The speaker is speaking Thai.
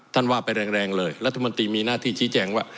ว่าไปแรงเลยรัฐมนตรีมีหน้าที่ชี้แจงว่า